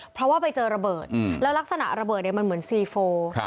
เพราะว่าไปเจอระเบิดแล้วลักษณะระเบิดมันเหมือนซีโฟ